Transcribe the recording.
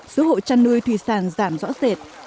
số hộ trăn nuôi thủy sản giảm rõ rệt